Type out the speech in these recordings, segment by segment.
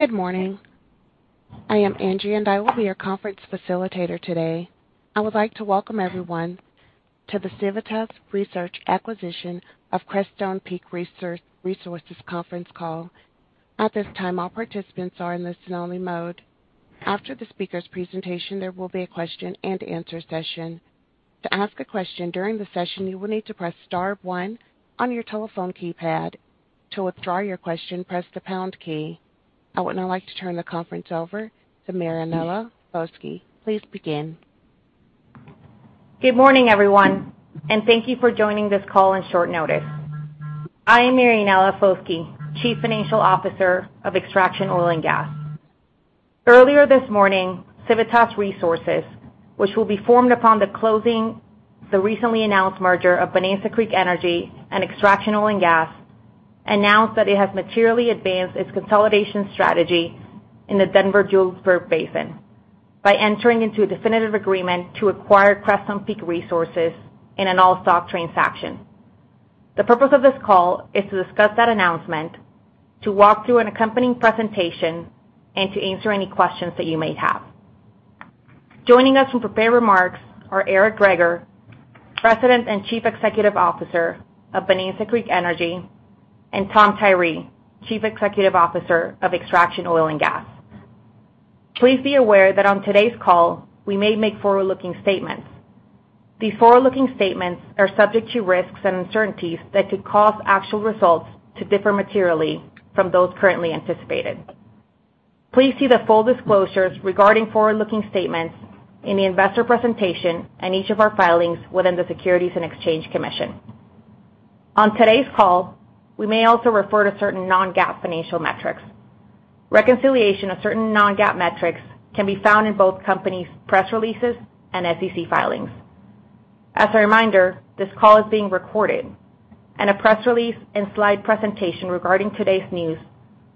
Good morning. I am Angie, and I will be your conference facilitator today. I would like to welcome everyone to the Civitas Resources Acquisition of Crestone Peak Resources conference call. At this time, all participants are in listen only mode. After the speaker's presentation, there will be a question and answer session. To ask a question during the session, you will need to press star one on your telephone keypad. To withdraw your question, press the pound key. I would now like to turn the conference over to Marianella Foschi. Please begin. Good morning, everyone, and thank you for joining this call on short notice. I am Marianella Foschi, Chief Financial Officer of Extraction Oil & Gas. Earlier this morning, Civitas Resources, which will be formed upon the closing of the recently announced merger of Bonanza Creek Energy and Extraction Oil & Gas, announced that it has materially advanced its consolidation strategy in the Denver-Julesburg Basin by entering into a definitive agreement to acquire Crestone Peak Resources in an all-stock transaction. The purpose of this call is to discuss that announcement, to walk through an accompanying presentation, and to answer any questions that you may have. Joining us with prepared remarks are Eric Greager, President and Chief Executive Officer of Bonanza Creek Energy, and Tom Tyree, Chief Executive Officer of Extraction Oil & Gas. Please be aware that on today's call, we may make forward-looking statements. These forward-looking statements are subject to risks and uncertainties that could cause actual results to differ materially from those currently anticipated. Please see the full disclosures regarding forward-looking statements in the investor presentation and each of our filings within the Securities and Exchange Commission. On today's call, we may also refer to certain non-GAAP financial metrics. Reconciliation of certain non-GAAP metrics can be found in both companies' press releases and SEC filings. As a reminder, this call is being recorded, and a press release and slide presentation regarding today's news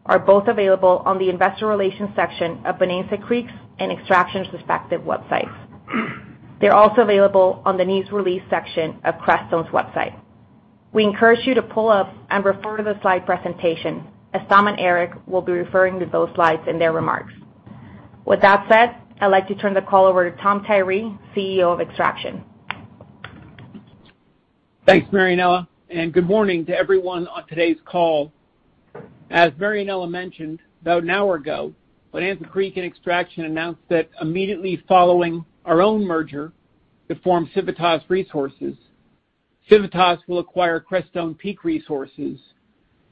are both available on the investor relations section of Bonanza Creek's and Extraction's respective websites. They're also available on the news release section of Crestone's website. We encourage you to pull up and refer to the slide presentation, as Tom and Eric will be referring to those slides in their remarks. With that said, I'd like to turn the call over to Tom Tyree, CEO of Extraction. Thanks, Marianella. Good morning to everyone on today's call. As Marianella mentioned about an hour ago, Bonanza Creek and Extraction announced that immediately following our own merger to form Civitas Resources, Civitas will acquire Crestone Peak Resources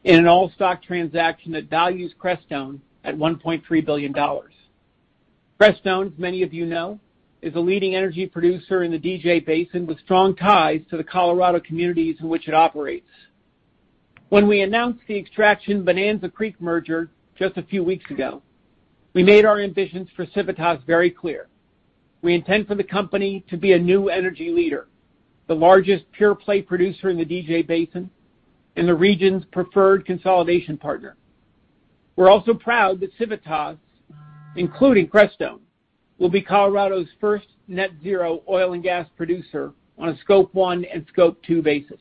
in an all-stock transaction that values Crestone at $1.3 billion. Crestone, as many of you know, is a leading energy producer in the DJ Basin with strong ties to the Colorado communities in which it operates. When we announced the Extraction Bonanza Creek merger just a few weeks ago, we made our ambitions for Civitas very clear. We intend for the company to be a new energy leader, the largest pure-play producer in the DJ Basin, and the region's preferred consolidation partner. We're also proud that Civitas, including Crestone, will be Colorado's first net zero oil and gas producer on a Scope 1 and Scope 2 basis.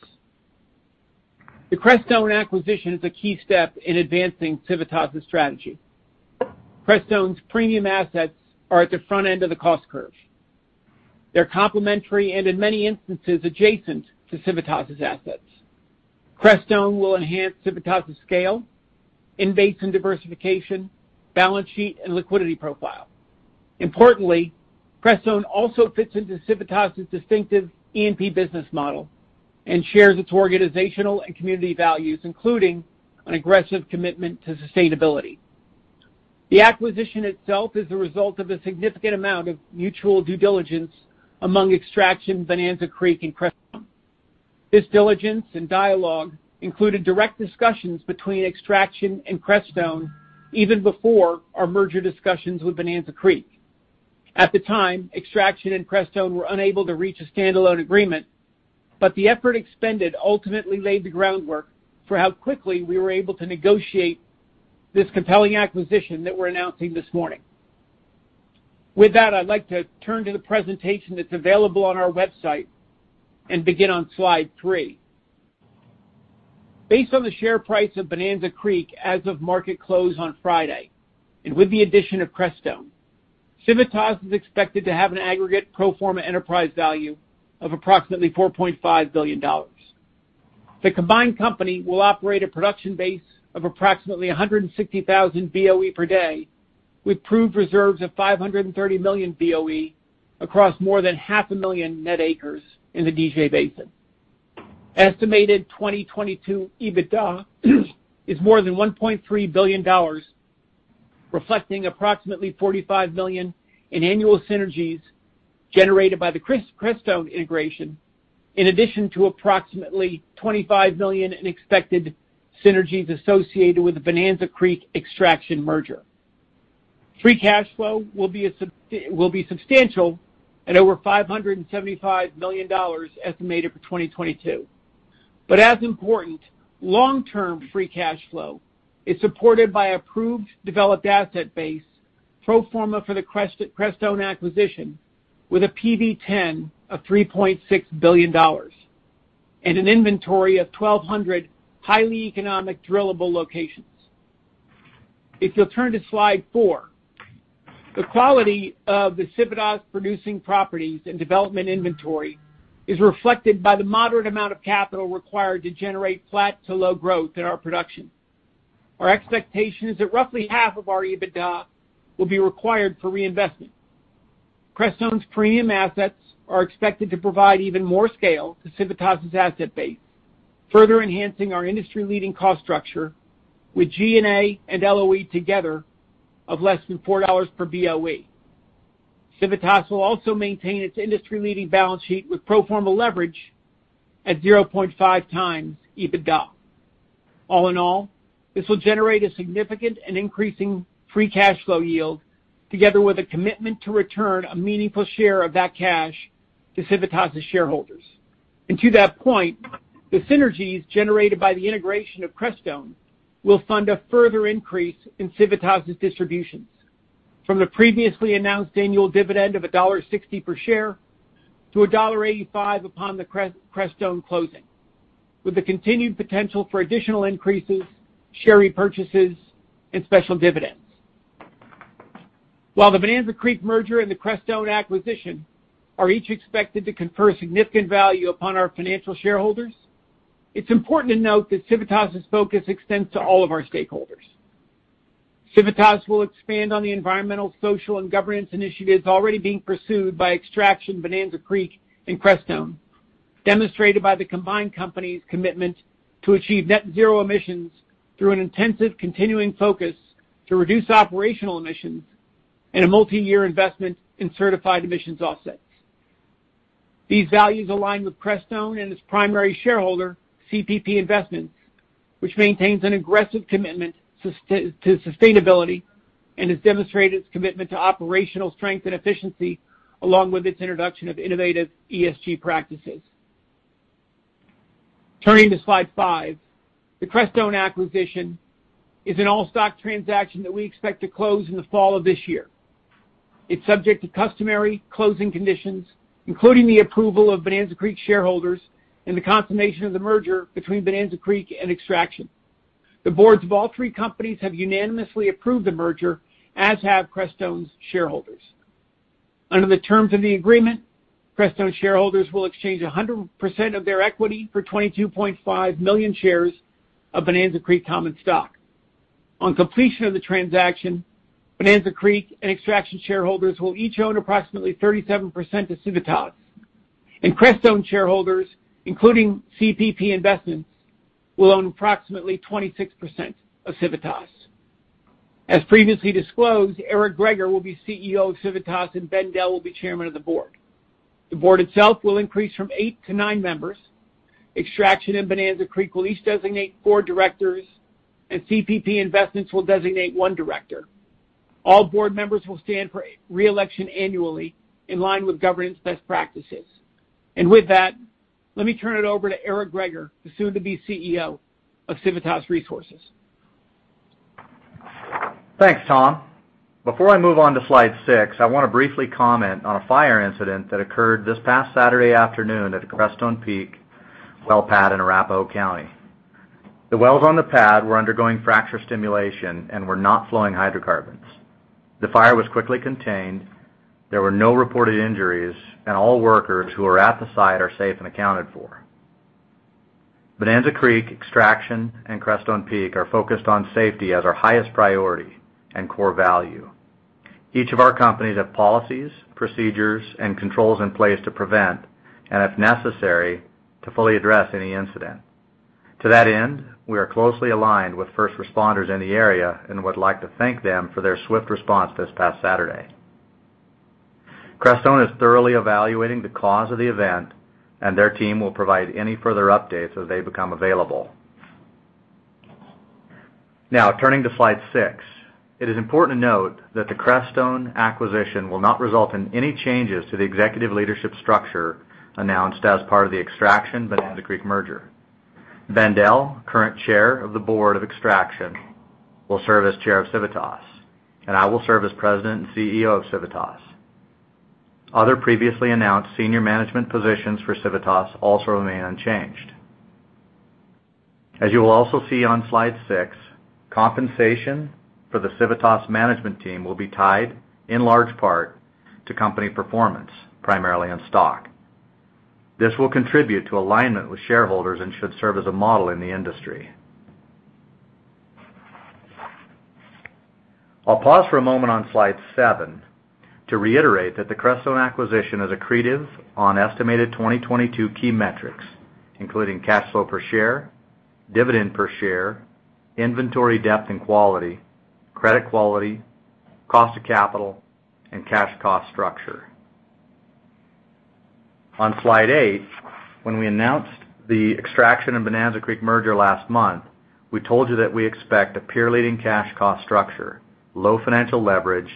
The Crestone acquisition is a key step in advancing Civitas' strategy. Crestone's premium assets are at the front end of the cost curve. They're complementary and in many instances adjacent to Civitas' assets. Crestone will enhance Civitas' scale, basin diversification, balance sheet, and liquidity profile. Importantly, Crestone also fits into Civitas' distinctive E&P business model and shares its organizational and community values, including an aggressive commitment to sustainability. The acquisition itself is a result of a significant amount of mutual due diligence among Extraction, Bonanza Creek, and Crestone. This diligence and dialogue included direct discussions between Extraction and Crestone even before our merger discussions with Bonanza Creek. At the time, Extraction and Crestone were unable to reach a standalone agreement, but the effort expended ultimately laid the groundwork for how quickly we were able to negotiate this compelling acquisition that we're announcing this morning. With that, I'd like to turn to the presentation that's available on our website and begin on slide three. Based on the share price of Bonanza Creek as of market close on Friday, and with the addition of Crestone, Civitas is expected to have an aggregate pro forma enterprise value of approximately $4.5 billion. The combined company will operate a production base of approximately 160,000 BOE per day with proved reserves of 530 million BOE across more than half a million net acres in the DJ Basin. Estimated 2022 EBITDA is more than $1.3 billion, reflecting approximately 45 million in annual synergies generated by the Crestone integration, in addition to approximately 25 million in expected synergies associated with the Bonanza Creek Extraction merger. Free cash flow will be substantial at over $575 million estimated for 2022. As important, long-term free cash flow is supported by a proved developed asset base pro forma for the Crestone acquisition with a PV-10 of $3.6 billion. An inventory of 1,200 highly economic drillable locations. If you'll turn to slide four. The quality of the Civitas producing properties and development inventory is reflected by the moderate amount of capital required to generate flat to low growth in our production. Our expectation is that roughly half of our EBITDA will be required for reinvestment. Crestone's premium assets are expected to provide even more scale to Civitas' asset base, further enhancing our industry-leading cost structure with G&A and LOE together of less than $4 per BOE. Civitas will also maintain its industry-leading balance sheet with pro forma leverage at 0.5 times EBITDA. All in all, this will generate a significant and increasing free cash flow yield together with a commitment to return a meaningful share of that cash to Civitas shareholders. To that point, the synergies generated by the integration of Crestone will fund a further increase in Civitas' distributions from the previously announced annual dividend of $1.60 per share to $1.85 upon the Crestone closing, with the continued potential for additional increases, share repurchases, and special dividends. While the Bonanza Creek merger and the Crestone acquisition are each expected to confer significant value upon our financial shareholders, it's important to note that Civitas' focus extends to all of our stakeholders. Civitas will expand on the environmental, social, and governance initiatives already being pursued by Extraction, Bonanza Creek, and Crestone, demonstrated by the combined company's commitment to achieve net zero emissions through an intensive continuing focus to reduce operational emissions and a multi-year investment in certified emissions offsets. These values align with Crestone and its primary shareholder, CPP Investments, which maintains an aggressive commitment to sustainability and has demonstrated its commitment to operational strength and efficiency along with its introduction of innovative ESG practices. Turning to slide five. The Crestone acquisition is an all-stock transaction that we expect to close in the fall of this year. It's subject to customary closing conditions, including the approval of Bonanza Creek shareholders and the consummation of the merger between Bonanza Creek and Extraction. The boards of all three companies have unanimously approved the merger, as have Crestone's shareholders. Under the terms of the agreement, Crestone shareholders will exchange 100% of their equity for 22.5 million shares of Bonanza Creek common stock. On completion of the transaction, Bonanza Creek and Extraction shareholders will each own approximately 37% of Civitas, and Crestone shareholders, including CPP Investments, will own approximately 26% of Civitas. As previously disclosed, Eric Greager will be CEO of Civitas, and Ben Dell will be Chairman of the Board. The board itself will increase from eight to nine members. Extraction and Bonanza Creek will each designate four directors, and CPP Investments will designate one director. All board members will stand for re-election annually in line with governance best practices. With that, let me turn it over to Eric Greager, the soon-to-be CEO of Civitas Resources. Thanks, Tom. Before I move on to slide six, I want to briefly comment on a fire incident that occurred this past Saturday afternoon at the Crestone Peak well pad in Arapahoe County. The wells on the pad were undergoing fracture stimulation and were not flowing hydrocarbons. The fire was quickly contained. There were no reported injuries, and all workers who were at the site are safe and accounted for. Bonanza Creek, Extraction, and Crestone Peak are focused on safety as our highest priority and core value. Each of our companies have policies, procedures, and controls in place to prevent and, if necessary, to fully address any incident. To that end, we are closely aligned with first responders in the area and would like to thank them for their swift response this past Saturday. Crestone is thoroughly evaluating the cause of the event, and their team will provide any further updates as they become available. Now turning to slide six. It is important to note that the Crestone acquisition will not result in any changes to the executive leadership structure announced as part of the Extraction Bonanza Creek merger. Ben Dell, current chair of the board of Extraction, will serve as chair of Civitas, and I will serve as President and CEO of Civitas. Other previously announced senior management positions for Civitas also remain unchanged. As you will also see on slide six, compensation for the Civitas management team will be tied, in large part, to company performance, primarily in stock. This will contribute to alignment with shareholders and should serve as a model in the industry. I'll pause for a moment on slide seven to reiterate that the Crestone acquisition is accretive on estimated 2022 key metrics, including cash flow per share, dividend per share, inventory depth and quality, credit quality, cost of capital, and cash cost structure. On slide eight, when we announced the Extraction and Bonanza Creek merger last month, we told you that we expect a peer-leading cash cost structure, low financial leverage,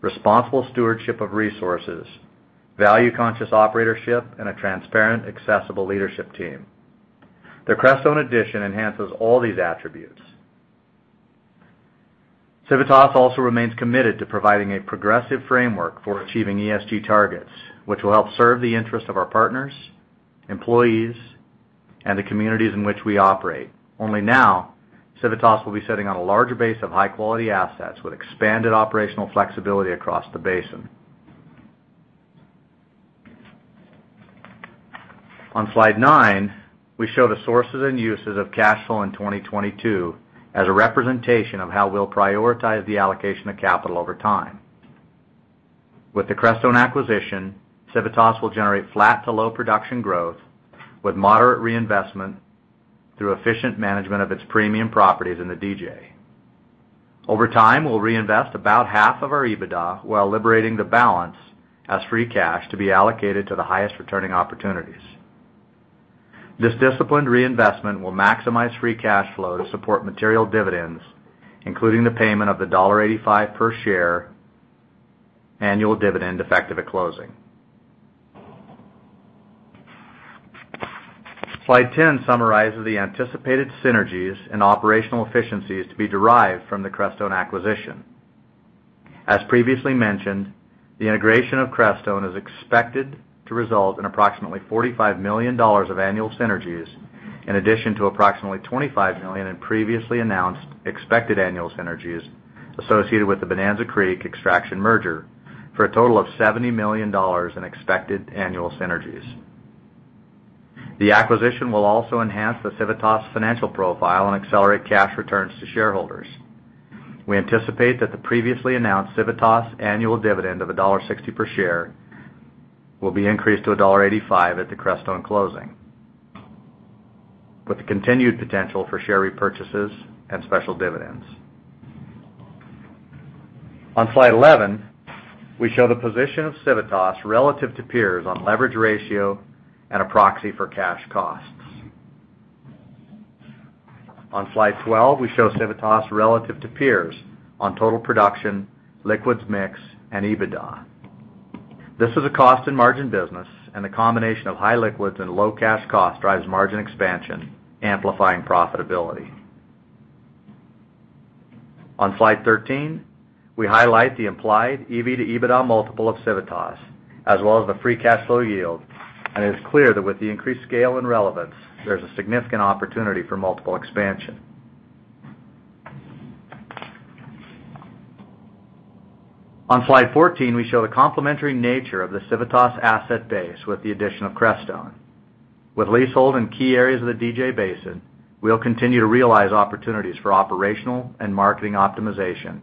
responsible stewardship of resources, value-conscious operatorship, and a transparent, accessible leadership team. The Crestone addition enhances all these attributes. Civitas also remains committed to providing a progressive framework for achieving ESG targets, which will help serve the interests of our partners, employees, and the communities in which we operate. Only now, Civitas will be sitting on a larger base of high-quality assets with expanded operational flexibility across the basin. On slide nine, we show the sources and uses of cash flow in 2022 as a representation of how we'll prioritize the allocation of capital over time. With the Crestone acquisition, Civitas will generate flat to low production growth with moderate reinvestment through efficient management of its premium properties in the DJ. Over time, we'll reinvest about half of our EBITDA while liberating the balance as free cash to be allocated to the highest returning opportunities. This disciplined reinvestment will maximize free cash flow to support material dividends, including the payment of the $1.85 per share annual dividend effective at closing. Slide 10 summarizes the anticipated synergies and operational efficiencies to be derived from the Crestone acquisition. As previously mentioned, the integration of Crestone is expected to result in approximately $45 million of annual synergies, in addition to approximately $25 million in previously announced expected annual synergies associated with the Bonanza Creek-Extraction merger, for a total of $70 million in expected annual synergies. The acquisition will also enhance the Civitas financial profile and accelerate cash returns to shareholders. We anticipate that the previously announced Civitas annual dividend of $1.60 per share will be increased to $1.85 at the Crestone closing, with the continued potential for share repurchases and special dividends. On slide 11, we show the position of Civitas relative to peers on leverage ratio and a proxy for cash costs. On slide 12, we show Civitas relative to peers on total production, liquids mix, and EBITDA. This is a cost and margin business, and the combination of high liquids and low cash cost drives margin expansion, amplifying profitability. On slide 13, we highlight the implied EV to EBITDA multiple of Civitas, as well as the free cash flow yield, and it is clear that with the increased scale and relevance, there's a significant opportunity for multiple expansion. On slide 14, we show the complementary nature of the Civitas asset base with the addition of Crestone. With leasehold in key areas of the DJ Basin, we'll continue to realize opportunities for operational and marketing optimization,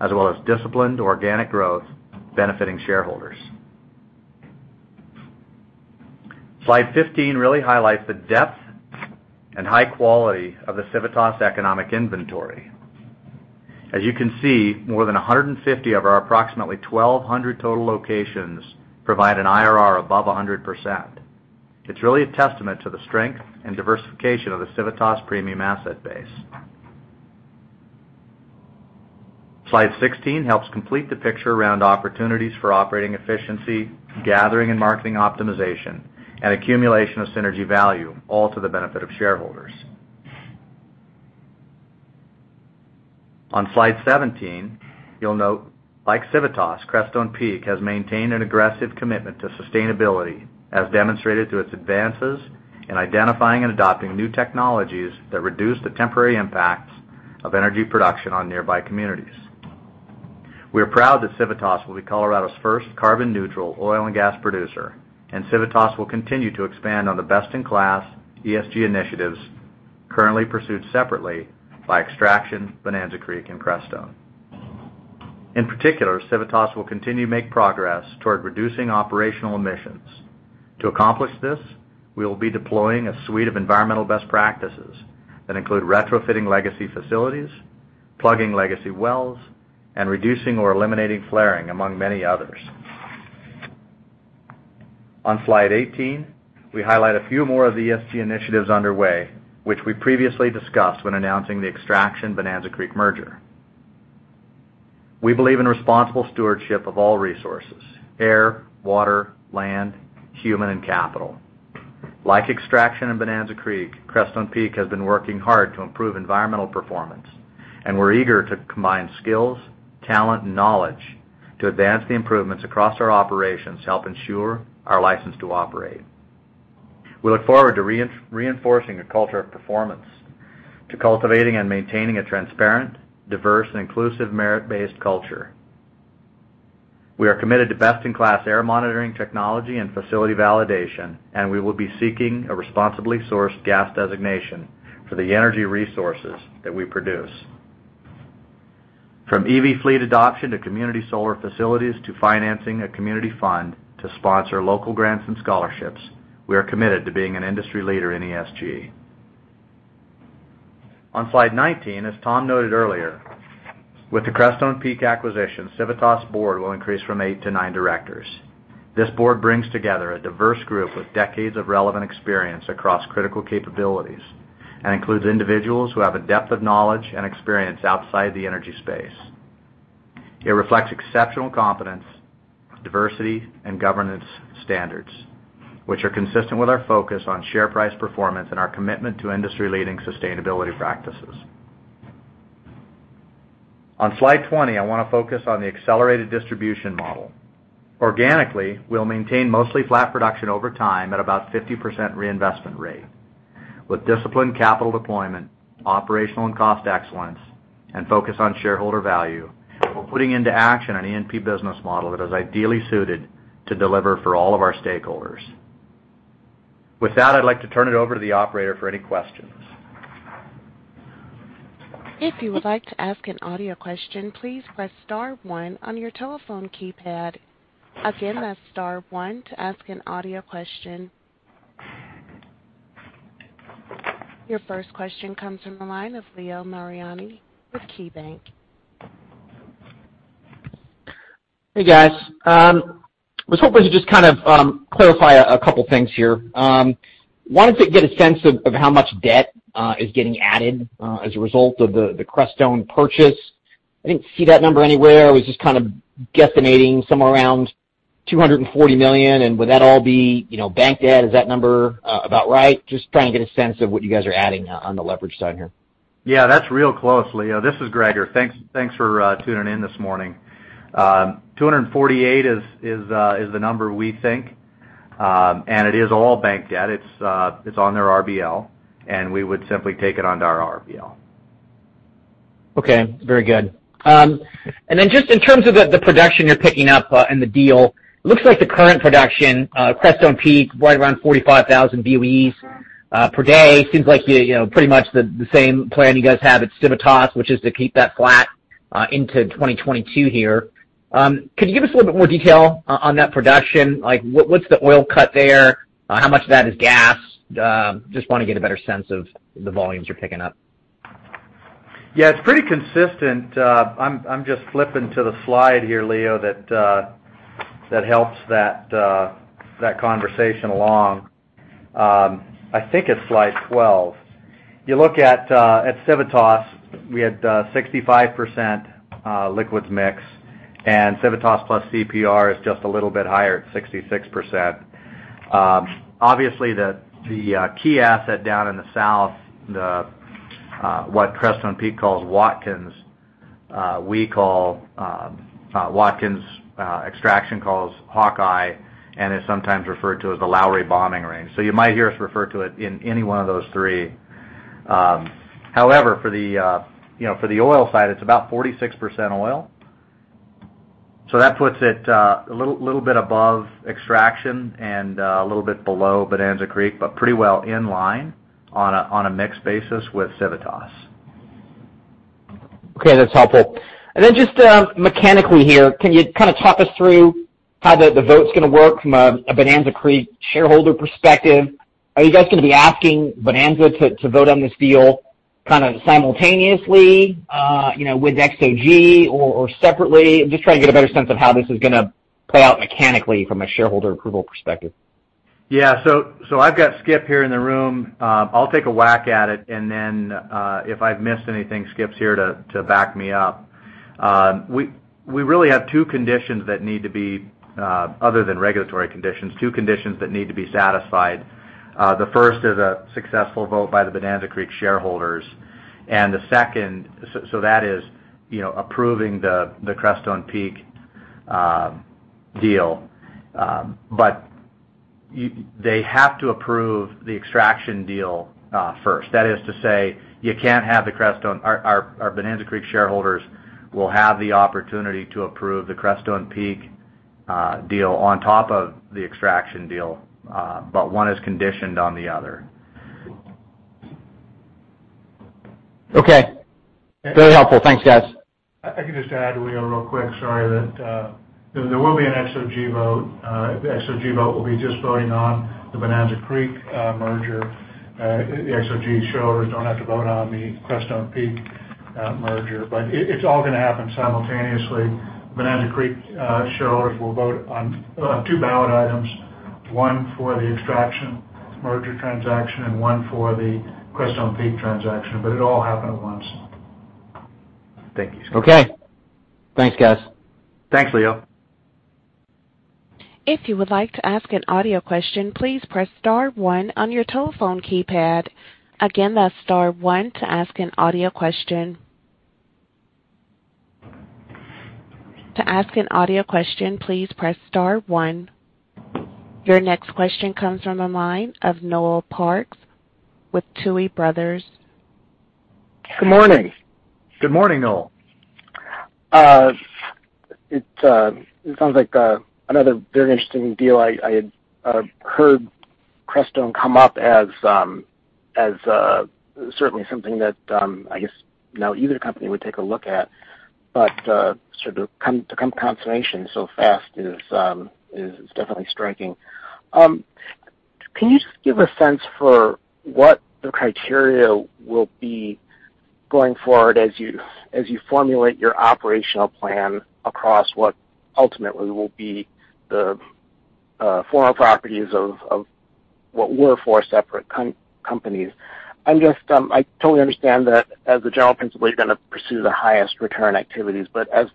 as well as disciplined organic growth benefiting shareholders. Slide 15 really highlights the depth and high quality of the Civitas economic inventory. As you can see, more than 150 of our approximately 1,200 total locations provide an IRR above 100%. It's really a testament to the strength and diversification of the Civitas premium asset base. Slide 16 helps complete the picture around opportunities for operating efficiency, gathering and marketing optimization, and accumulation of synergy value, all to the benefit of shareholders. On slide 17, you'll note, like Civitas, Crestone Peak has maintained an aggressive commitment to sustainability, as demonstrated through its advances in identifying and adopting new technologies that reduce the temporary impacts of energy production on nearby communities. We are proud that Civitas will be Colorado's first carbon neutral oil and gas producer, and Civitas will continue to expand on the best-in-class ESG initiatives currently pursued separately by Extraction, Bonanza Creek, and Crestone. In particular, Civitas will continue to make progress toward reducing operational emissions. To accomplish this, we will be deploying a suite of environmental best practices that include retrofitting legacy facilities, plugging legacy wells, and reducing or eliminating flaring, among many others. On slide 18, we highlight a few more of the ESG initiatives underway, which we previously discussed when announcing the Extraction Bonanza Creek merger. We believe in responsible stewardship of all resources: air, water, land, human, and capital. Like Extraction and Bonanza Creek, Crestone Peak has been working hard to improve environmental performance, and we're eager to combine skills, talent, and knowledge to advance the improvements across our operations to help ensure our license to operate. We look forward to reinforcing a culture of performance, to cultivating and maintaining a transparent, diverse, and inclusive merit-based culture. We are committed to best-in-class air monitoring technology and facility validation, and we will be seeking a responsibly sourced gas designation for the energy resources that we produce. From EV fleet adoption to community solar facilities to financing a community fund to sponsor local grants and scholarships, we are committed to being an industry leader in ESG. On slide 19, as Tom noted earlier, with the Crestone Peak acquisition, Civitas' board will increase from eight to nine directors. This board brings together a diverse group with decades of relevant experience across critical capabilities and includes individuals who have a depth of knowledge and experience outside the energy space. It reflects exceptional confidence, diversity, and governance standards, which are consistent with our focus on share price performance and our commitment to industry-leading sustainability practices. On slide 20, I want to focus on the accelerated distribution model. Organically, we'll maintain mostly flat production over time at about 50% reinvestment rate. With disciplined capital deployment, operational and cost excellence, and focus on shareholder value, we're putting into action an E&P business model that is ideally suited to deliver for all of our stakeholders. With that, I'd like to turn it over to the operator for any questions. Your first question comes from the line of Leo Mariani with KeyBanc. Hey, guys. I was hoping to just clarify a couple of things here. One, to get a sense of how much debt is getting added as a result of the Crestone purchase. I didn't see that number anywhere. I was just guesstimating somewhere around $240 million. Would that all be bank debt? Is that number about right? Just trying to get a sense of what you guys are adding on the leverage side here. Yeah, that's real close, Leo. This is Greager. Thanks for tuning in this morning. 248 is the number we think. It is all bank debt. It's on their RBL, and we would simply take it onto our RBL. Just in terms of the production you're picking up in the deal, it looks like the current production, Crestone Peak, right around 45,000 BOEs per day. Seems like pretty much the same plan you guys had at Civitas, which is to keep that flat into 2022 here. Can you give us a little bit more detail on that production? What's the oil cut there? How much of that is gas? Just want to get a better sense of the volumes you're picking up. Yeah, it's pretty consistent. I'm just flipping to the slide here, Leo, that helps that conversation along. I think it's slide 12. You look at Civitas, we had 65% liquids mix, and Civitas plus CPR is just a little bit higher at 66%. Obviously, the key asset down in the south, what Crestone Peak calls Watkins, Extraction calls Hawkeye, and is sometimes referred to as the Lowry Bombing Range. You might hear us refer to it in any one of those three. However, for the oil side, it's about 46% oil. That puts it a little bit above Extraction and a little bit below Bonanza Creek, but pretty well in line on a mixed basis with Civitas. Okay, that's helpful. Then just mechanically here, can you kind of talk us through how the vote's going to work from a Bonanza Creek shareholder perspective? Are you guys going to be asking Bonanza to vote on this deal kind of simultaneously with XOG or separately? I'm just trying to get a better sense of how this is going to play out mechanically from a shareholder approval perspective. I've got Skip here in the room. I'll take a whack at it, and then, if I've missed anything, Skip's here to back me up. We really have two conditions, other than regulatory conditions, two conditions that need to be satisfied. The first is a successful vote by the Bonanza Creek shareholders. That is approving the Crestone Peak deal. They have to approve the Extraction deal first. That is to say our Bonanza Creek shareholders will have the opportunity to approve the Crestone Peak deal on top of the Extraction deal. One is conditioned on the other. Okay. Very helpful. Thanks, guys. If I could just add, Leo, real quick, sorry, that there will be an XOG vote. The XOG vote will be just voting on the Bonanza Creek merger. The XOG shareholders don't have to vote on the Crestone Peak merger. It's all going to happen simultaneously. Bonanza Creek shareholders will vote on two ballot items, one for the Extraction merger transaction and one for the Crestone Peak transaction. It'll all happen at once. Thank you. Okay. Thanks, guys. Thanks, Leo. If you would like to ask an audio question, please press star one on your telephone keypad. Again, that's star one to ask an audio question. To ask an audio question, please press star one. Your next question comes from the line of Noel Parks with Tuohy Brothers. Good morning. Good morning, Noel. It sounds like another very interesting deal. I heard Crestone come up as certainly something that I guess now either company would take a look at. Sort of to come to consummation so fast is definitely striking. Can you just give a sense for what the criteria will be going forward as you formulate your operational plan across what ultimately will be the four properties of what were four separate companies. I totally understand that as a general principle, you're going to pursue the highest return activities, but as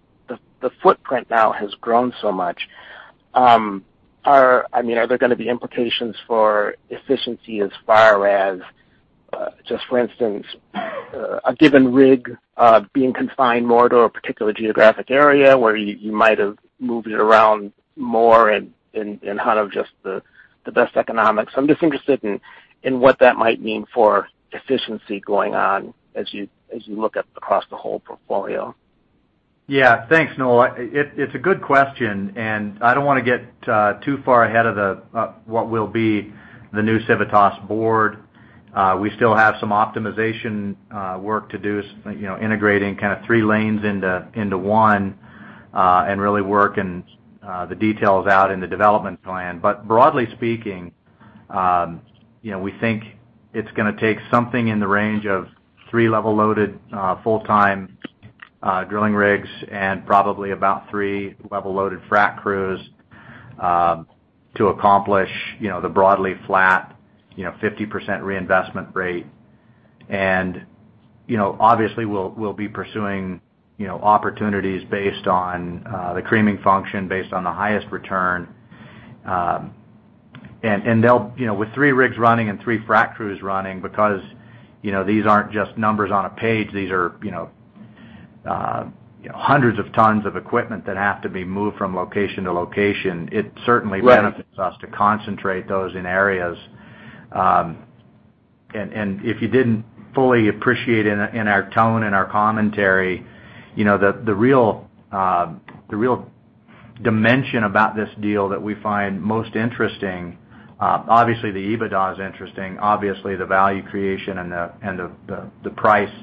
the footprint now has grown so much, are there going to be implications for efficiency as far as just, for instance, a given rig being confined more to a particular geographic area where you might have moved it around more in light of just the best economics? I'm just interested in what that might mean for efficiency going on as you look across the whole portfolio. Yeah. Thanks, Noel. It's a good question. I don't want to get too far ahead of what will be the new Civitas board. We still have some optimization work to do, integrating three lanes into one, really working the details out in the development plan. Broadly speaking, we think it's going to take something in the range of three level-loaded full-time drilling rigs and probably about three level-loaded frac crews to accomplish the broadly flat 50% reinvestment rate. Obviously, we'll be pursuing opportunities based on the creaming function based on the highest return. With three rigs running and three frac crews running, because these aren't just numbers on a page, these are hundreds of tons of equipment that have to be moved from location to location. It certainly benefits us to concentrate those in areas. If you didn't fully appreciate in our tone, in our commentary, the real dimension about this deal that we find most interesting, obviously the EBITDA is interesting, obviously the value creation and the price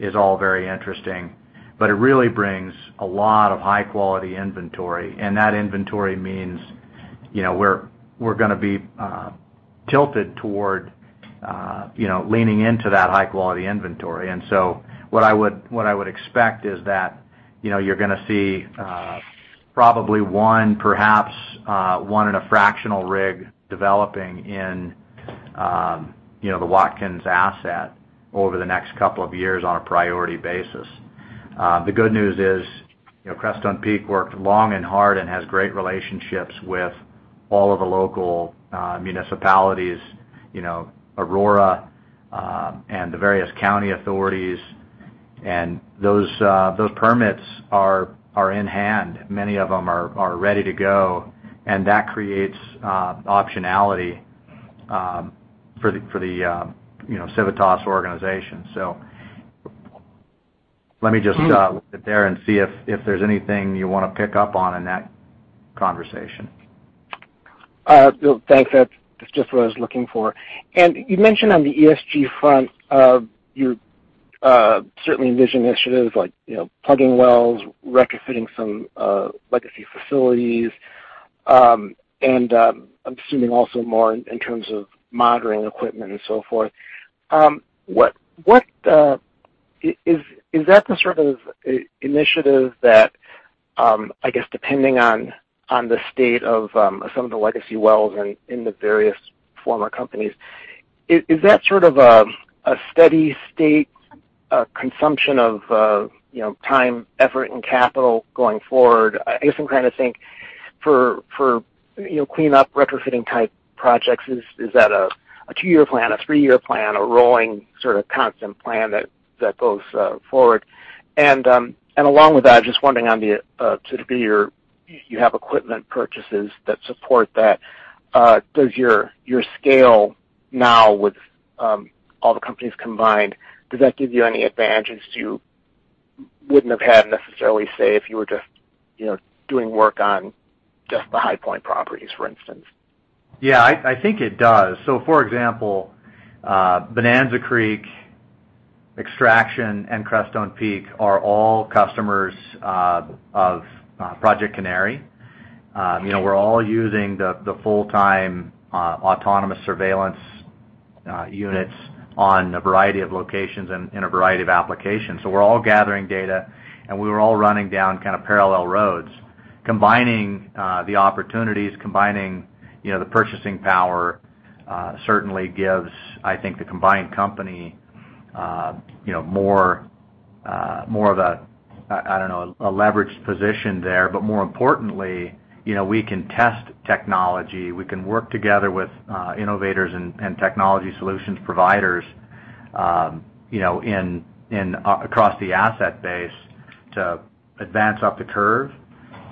is all very interesting, but it really brings a lot of high-quality inventory. That inventory means we're going to be tilted toward leaning into that high-quality inventory. What I would expect is that you're going to see probably one, perhaps one and a fractional rig developing in the Watkins asset over the next couple of years on a priority basis. The good news is Crestone Peak worked long and hard and has great relationships with all of the local municipalities, Aurora, and the various county authorities. Those permits are in hand. Many of them are ready to go, and that creates optionality for the Civitas organization. Let me just sit there and see if there's anything you want to pick up on in that conversation. Thanks. That's just what I was looking for. You mentioned on the ESG front, you certainly envision initiatives like plugging wells, retrofitting some legacy facilities, and I'm assuming also more in terms of monitoring equipment and so forth. Is that the sort of initiative that, I guess depending on the state of some of the legacy wells in the various former companies, is that sort of a steady state consumption of time, effort, and capital going forward? I guess I'm trying to think for cleanup retrofitting type projects, is that a two-year plan, a three-year plan, a rolling sort of constant plan that goes forward? Along with that, just wondering to the degree you have equipment purchases that support that, does your scale now with all the companies combined, does that give you any advantages you wouldn't have had necessarily, say, if you were just doing work on just the HighPoint properties, for instance? Yeah, I think it does. For example, Bonanza Creek, Extraction, and Crestone Peak are all customers of Project Canary. We're all using the full-time autonomous surveillance units on a variety of locations and in a variety of applications. We're all gathering data, and we were all running down parallel roads. Combining the opportunities, combining the purchasing power certainly gives, I think, the combined company more of a leveraged position there. More importantly, we can test technology. We can work together with innovators and technology solutions providers across the asset base to advance up the curve,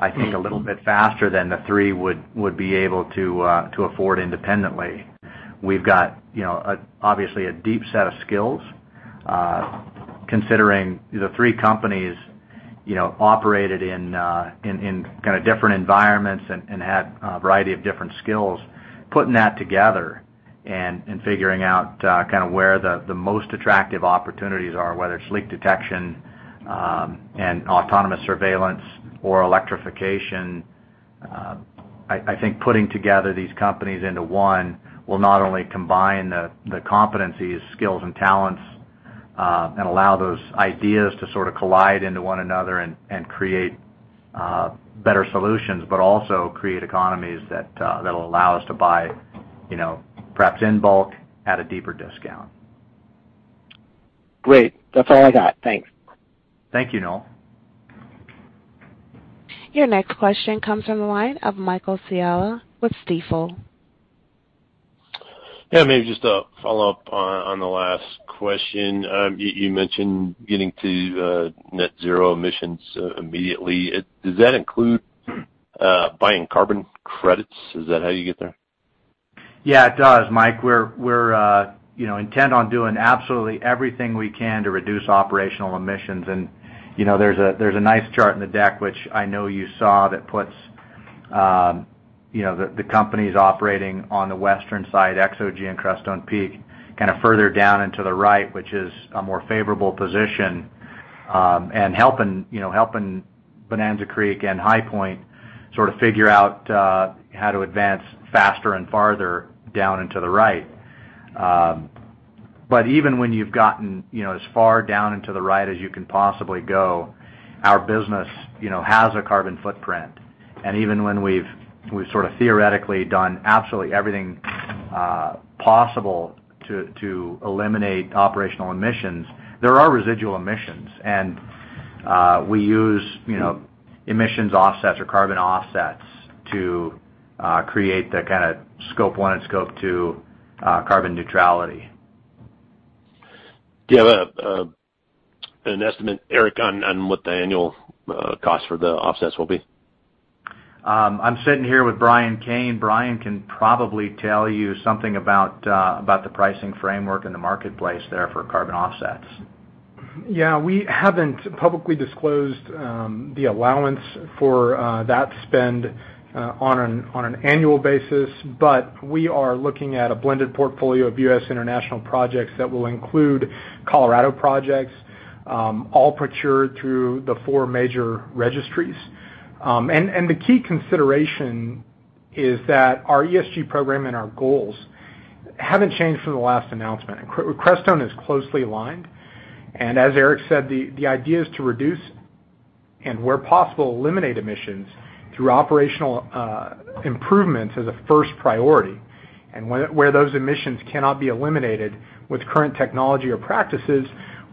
I think a little bit faster than the three would be able to afford independently. We've got obviously a deep set of skills considering the three companies operated in different environments and had a variety of different skills. Putting that together and figuring out where the most attractive opportunities are, whether it's leak detection and autonomous surveillance or electrification. I think putting together these companies into one will not only combine the competencies, skills, and talents and allow those ideas to collide into one another and create better solutions, but also create economies that allow us to buy perhaps in bulk at a deeper discount. Great. That's all I got. Thanks. Thank you, Noel. Your next question comes from the line of Michael Scialla with Stifel. Yeah. Maybe just a follow-up on the last question. You mentioned getting to net zero emissions immediately. Does that include buying carbon credits? Is that how you get there? Yeah, it does, Michael. We're intent on doing absolutely everything we can to reduce operational emissions. There's a nice chart in the deck, which I know you saw that puts the companies operating on the western side, XOG and Crestone Peak, further down and to the right, which is a more favorable position. Helping Bonanza Creek and HighPoint Resources figure out how to advance faster and farther down and to the right. Even when you've gotten as far down and to the right as you can possibly go, our business has a carbon footprint. Even when we've theoretically done absolutely everything possible to eliminate operational emissions, there are residual emissions. We use emissions offsets or carbon offsets to create that Scope 1 and Scope 2 carbon neutrality. Do you have an estimate, Eric, on what the annual cost for the offsets will be? I'm sitting here with Brian Cain. Brian can probably tell you something about the pricing framework in the marketplace there for carbon offsets. Yeah. We haven't publicly disclosed the allowance for that spend on an annual basis. We are looking at a blended portfolio of U.S. international projects that will include Colorado projects, all procured through the four major registries. The key consideration is that our ESG program and our goals haven't changed from the last announcement. Crestone is closely aligned, and as Eric said, the idea is to reduce and where possible, eliminate emissions through operational improvements as a first priority. Where those emissions cannot be eliminated with current technology or practices,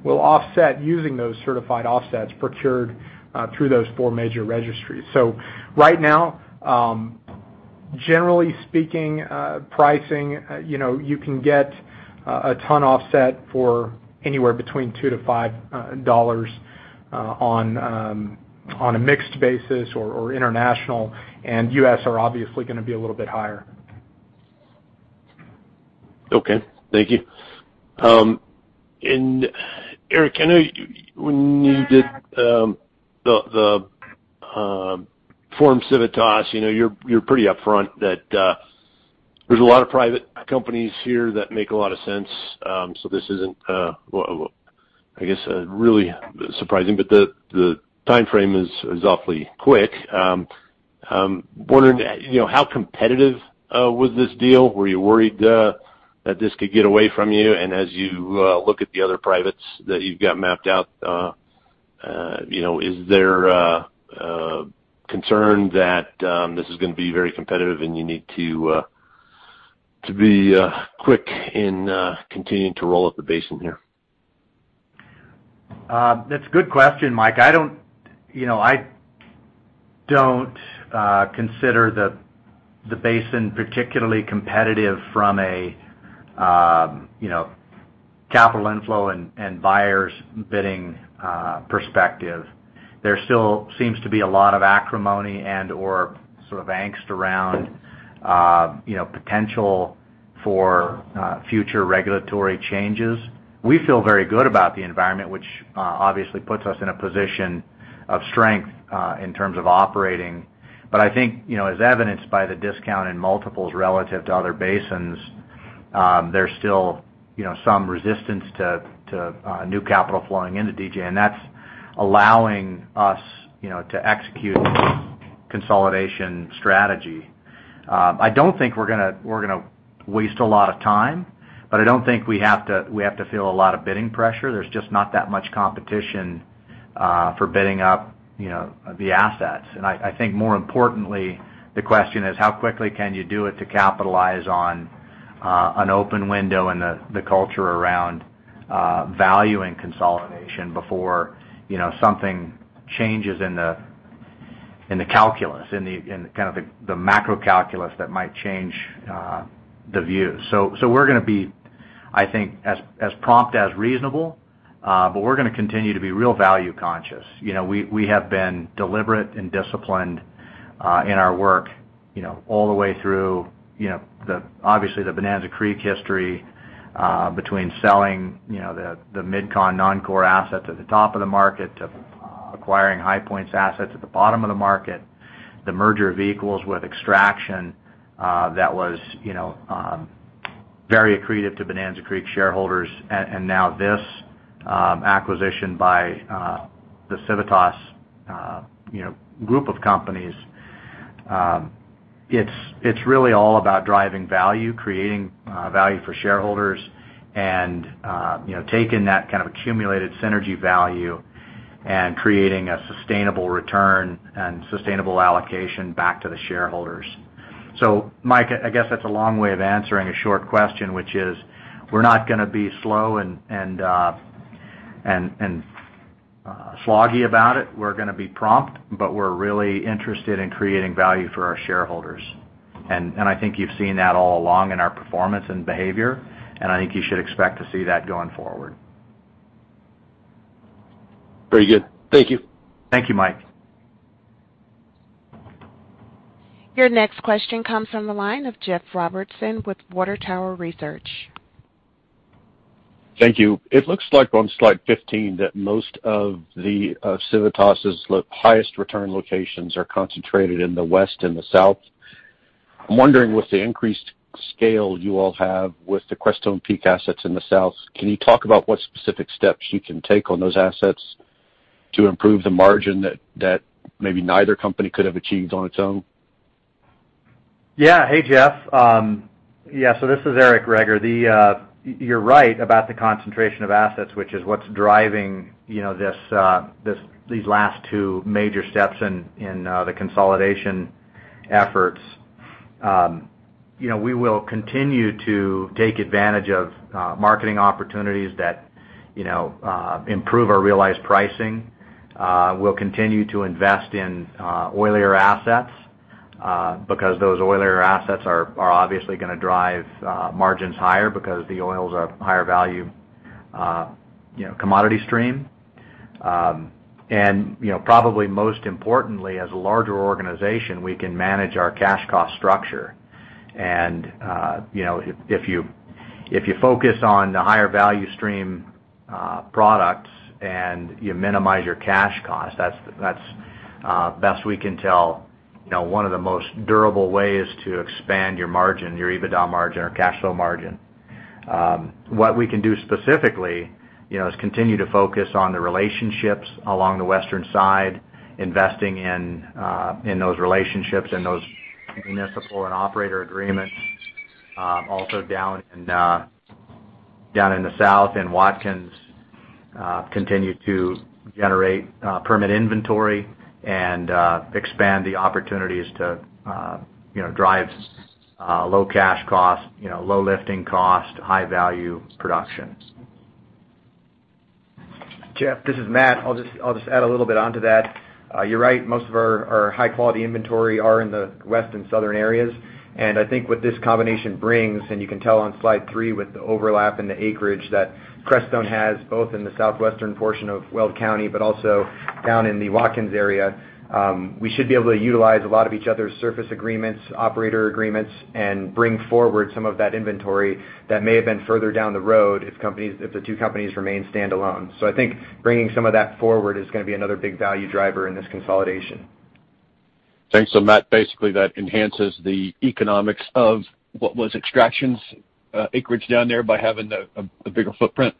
we'll offset using those certified offsets procured through those four major registries. Right now, generally speaking, pricing, you can get a ton offset for anywhere between $2-$5 on a mixed basis or international, and U.S. are obviously going to be a little bit higher. Okay. Thank you. Eric, I know when you did the forum Civitas, you're pretty upfront that there's a lot of private companies here that make a lot of sense. This isn't, I guess, really surprising, but the timeframe is awfully quick. I'm wondering how competitive was this deal? Were you worried that this could get away from you? As you look at the other privates that you've got mapped out, is there concern that this is going to be very competitive and you need to be quick in continuing to roll up the basin here? That's a good question, Mike. I don't consider the basin particularly competitive from a capital inflow and buyers bidding perspective. There still seems to be a lot of acrimony and/or sort of angst around potential for future regulatory changes. We feel very good about the environment, which obviously puts us in a position of strength in terms of operating. I think as evidenced by the discount in multiples relative to other basins, there's still some resistance to new capital flowing into DJ. That's allowing us to execute consolidation strategy. I don't think we're going to waste a lot of time, but I don't think we have to feel a lot of bidding pressure. There's just not that much competition for bidding up the assets. I think more importantly, the question is how quickly can you do it to capitalize on an open window and the culture around value and consolidation before something changes in the calculus, in the macro calculus that might change the view. We're going to be, I think, as prompt as reasonable, but we're going to continue to be real value conscious. We have been deliberate and disciplined in our work all the way through obviously the Bonanza Creek history between selling the MidCon non-core asset at the top of the market to acquiring HighPoint's asset at the bottom of the market, the merger of equals with Extraction that was very accretive to Bonanza Creek shareholders. Now this acquisition by Civitas Resources of companies. It's really all about driving value, creating value for shareholders, and taking that accumulated synergy value and creating a sustainable return and sustainable allocation back to the shareholders. Mike, I guess that's a long way of answering a short question, which is we're not going to be slow and sloggy about it. We're going to be prompt, but we're really interested in creating value for our shareholders, and I think you've seen that all along in our performance and behavior, and I think you should expect to see that going forward. Very good. Thank you. Thank you, Mike. Your next question comes from the line of Jeff Robertson with Water Tower Research. Thank you. It looks like on slide 15 that most of the Civitas' highest return locations are concentrated in the west and the south. I'm wondering, with the increased scale you all have with the Crestone Peak assets in the south, can you talk about what specific steps you can take on those assets to improve the margin that maybe neither company could have achieved on its own? Hey, Jeff. This is Eric Greager. You're right about the concentration of assets, which is what's driving these last two major steps in the consolidation efforts. We will continue to take advantage of marketing opportunities that improve our realized pricing. We'll continue to invest in oilier assets because those oilier assets are obviously going to drive margins higher because the oils are higher value commodity stream. Probably most importantly, as a larger organization, we can manage our cash cost structure. If you focus on the higher value stream products and you minimize your cash cost, that's, best we can tell, one of the most durable ways to expand your margin, your EBITDA margin, or cash flow margin. What we can do specifically is continue to focus on the relationships along the western side, investing in those relationships and those municipal and operator agreements also down in the south in Watkins, continue to generate permit inventory and expand the opportunities to drive low cash cost, low lifting cost, high value production. Jeff, this is Matt. I'll just add a little bit onto that. You're right, most of our high-quality inventory are in the west and southern areas, and I think what this combination brings, and you can tell on slide three with the overlap in the acreage that Crestone has, both in the southwestern portion of Weld County, but also down in the Watkins area. We should be able to utilize a lot of each other's surface agreements, operator agreements, and bring forward some of that inventory that may have been further down the road if the two companies remain standalone. I think bringing some of that forward is going to be another big value driver in this consolidation. Thanks. Matt, basically that enhances the economics of what was Extraction's acreage down there by having a bigger footprint?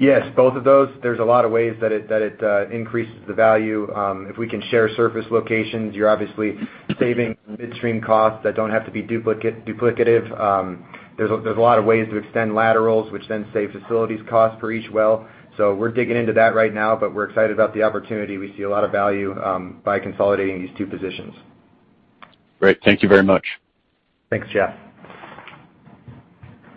Yes, both of those. There's a lot of ways that it increases the value. If we can share surface locations, you're obviously saving midstream costs that don't have to be duplicative. There's a lot of ways to extend laterals, which then save facilities cost for each well. We're digging into that right now, but we're excited about the opportunity. We see a lot of value by consolidating these two positions. Great. Thank you very much. Thanks, Jeff.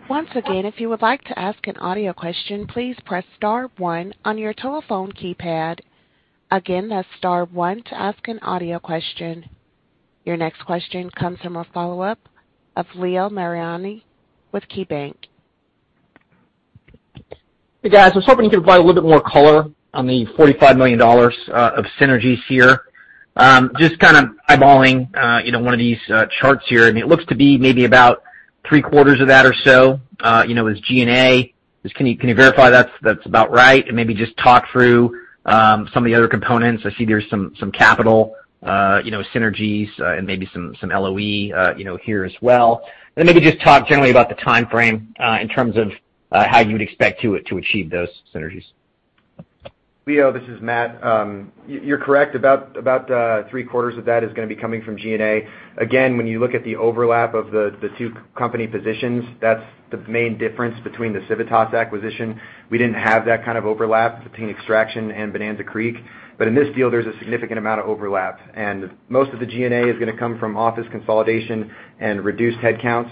Once again, if you would like to ask an audio question, please press star one on your telephone keypad. Again, that's star one to ask an audio question. Your next question comes from a follow-up of Leo Mariani with KeyBanc. Hey, guys. I'm just hoping you can provide a little bit more color on the $45 million of synergies here. Just eyeballing one of these charts here, it looks to be maybe about three-quarters of that or so is G&A. Can you verify that's about right? Maybe just talk through some of the other components. I see there's some capital synergies and maybe some LOE here as well. Maybe just talk generally about the timeframe in terms of how you'd expect to achieve those synergies. Leo, this is Matt. You're correct. About three-quarters of that is going to be coming from G&A. Again, when you look at the overlap of the two company positions, that's the main difference between the Civitas acquisition. We didn't have that kind of overlap between Extraction and Bonanza Creek. In this deal, there's a significant amount of overlap, and most of the G&A is going to come from office consolidation and reduced headcounts.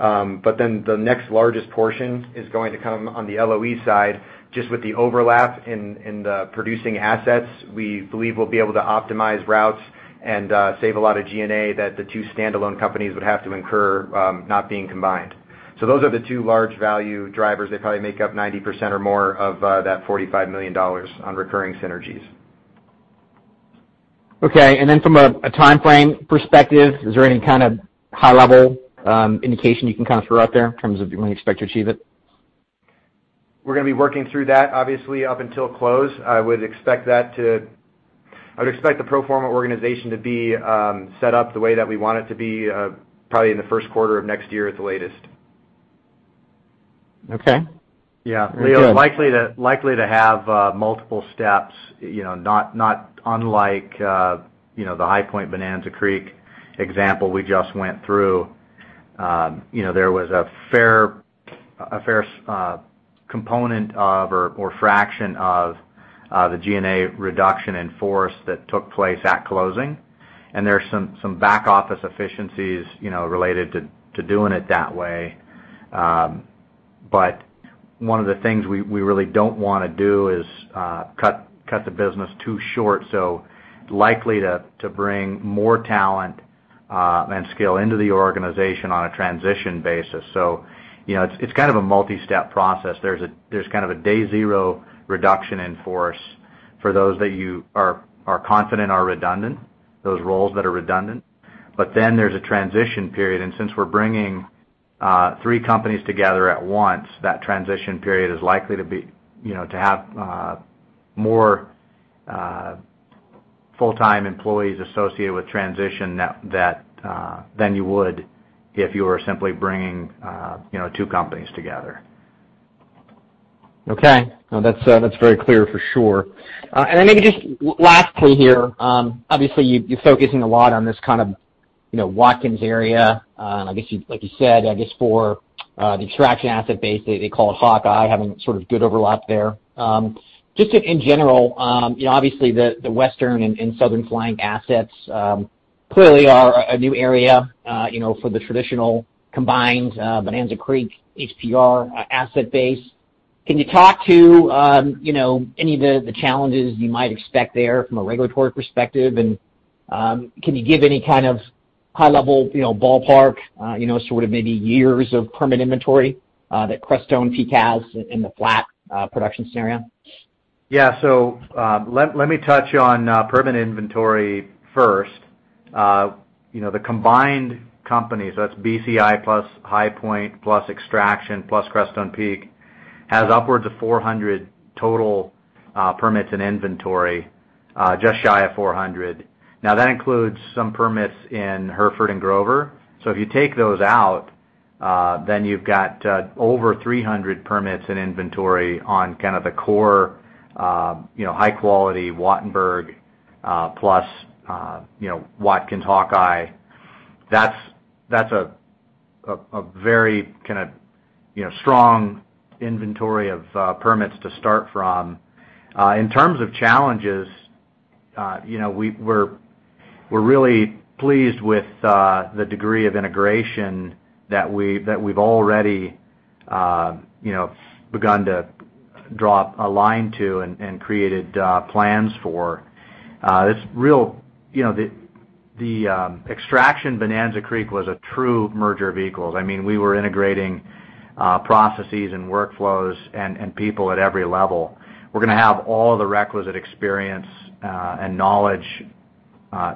The next largest portion is going to come on the LOE side, just with the overlap in the producing assets. We believe we'll be able to optimize routes and save a lot of G&A that the two standalone companies would have to incur not being combined. Those are the two large value drivers that probably make up 90% or more of that $45 million on recurring synergies. Okay. From a timeframe perspective, is there any kind of high-level indication you can throw out there in terms of when you expect to achieve it? We're going to be working through that, obviously, up until close. I would expect the pro forma organization to be set up the way that we want it to be probably in the first quarter of next year at the latest. Okay. Good. Yeah. We are likely to have multiple steps, not unlike the HighPoint Bonanza Creek example we just went through. There was a fair component of or fraction of the G&A reduction in force that took place at closing. There's some back-office efficiencies related to doing it that way. One of the things we really don't want to do is cut the business too short, so likely to bring more talent and scale into the organization on a transition basis. It's a multi-step process. There's a day zero reduction in force for those that you are confident are redundant, those roles that are redundant. There's a transition period, and since we're bringing three companies together at once, that transition period is likely to have more full-time employees associated with transition than you would if you were simply bringing two companies together. Okay. No, that's very clear for sure. Then maybe just lastly here, obviously, you're focusing a lot on this Watkins area. Like you said, I guess for the Extraction asset base, they call it Hawkeye, having good overlap there. Just in general, obviously, the Western and Southern Flank assets clearly are a new area for the traditional combined Bonanza Creek, HPR asset base. Can you talk to any of the challenges you might expect there from a regulatory perspective? Can you give any kind of high-level ballpark, sort of maybe years of permit inventory that Crestone Peak has in the flat production scenario? Let me touch on permit inventory first. The combined company, so that's BCEI plus HighPoint plus Extraction plus Crestone Peak, has upwards of 400 total permits in inventory, just shy of 400. That includes some permits in Hereford and Grover. If you take those out, you've got over 300 permits in inventory on the core high-quality Wattenberg, plus Watkins Hawkeye. That's a very strong inventory of permits to start from. In terms of challenges, we're really pleased with the degree of integration that we've already begun to draw a line to and created plans for. The Extraction Bonanza Creek was a true merger of equals. We were integrating processes and workflows and people at every level. We're going to have all the requisite experience and knowledge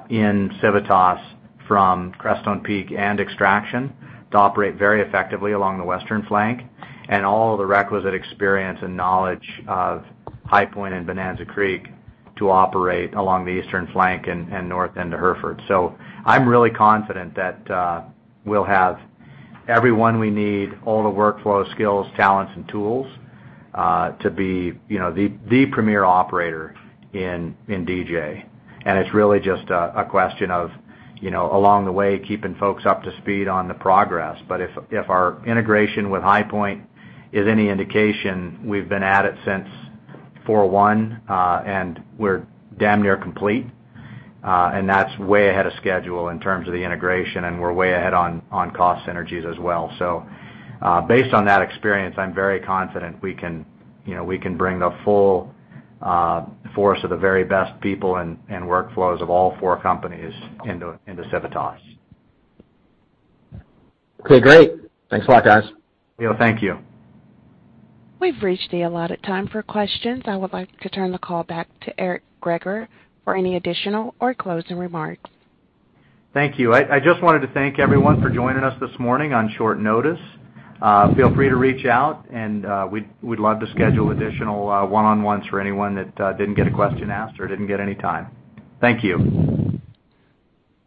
in Civitas from Crestone Peak and Extraction to operate very effectively along the Western Flank, and all the requisite experience and knowledge of HighPoint and Bonanza Creek to operate along the Eastern Flank and north end of Hereford. I'm really confident that we'll have everyone we need, all the workflow, skills, talents, and tools to be the premier operator in DJ. It's really just a question of, along the way, keeping folks up to speed on the progress. If our integration with HighPoint is any indication, we've been at it since four one, and we're damn near complete. That's way ahead of schedule in terms of the integration, and we're way ahead on cost synergies as well. Based on that experience, I'm very confident we can bring a full force of the very best people and workflows of all four companies into Civitas. Okay, great. Thanks a lot, guys. Thank you. We've reached the allotted time for questions. I would like to turn the call back to Eric Greager for any additional or closing remarks. Thank you. I just wanted to thank everyone for joining us this morning on short notice. Feel free to reach out, and we'd love to schedule additional one-on-ones for anyone that didn't get a question asked or didn't get any time. Thank you.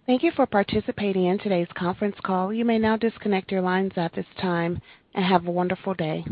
Thank you for participating in today's conference call. You may now disconnect your lines at this time, and have a wonderful day.